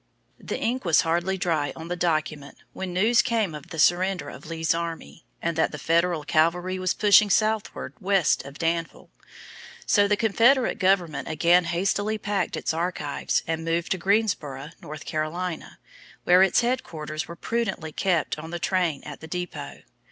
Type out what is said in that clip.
The ink was hardly dry on the document when news came of the surrender of Lee's army, and that the Federal cavalry was pushing southward west of Danville. So the Confederate government again hastily packed its archives and moved to Greensboro, North Carolina, where its headquarters were prudently kept on the train at the depot.